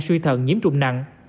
suy thận nhiễm trụng nặng